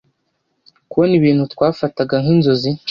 kubona ibintu twafataga nk’inzozi